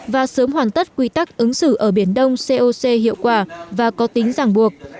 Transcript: và sớm hoàn tất quy tắc ứng xử ở biển đông coc hiệu quả và có tính giảng buộc